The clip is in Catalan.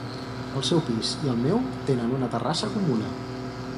El seu pis i el meu tenen una terrassa comuna.